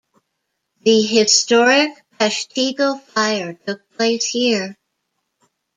The historic Peshtigo Fire took place here.